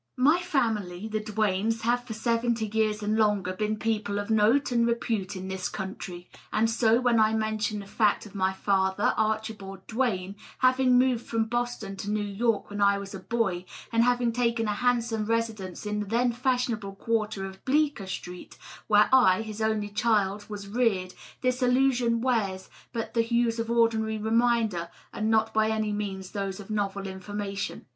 My family, the Duanes, have for seventy years and longer been people of note and repute in this country ; and so, when I mention the fact of my &ther, Archibald Duane, having moved from Boston to New York when I was a boy and having taken a handsome residence in the then fashionable quarter of Bleecker Street, where I, his only child, was reared, this allusion wears but the hues of ordinary reminder and not by any means those of novel information.